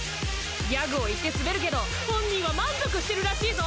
ギャグを言って滑るけど本人は満足してるらしいぞ！